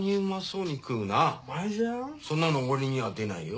そんなの俺には出ないよ。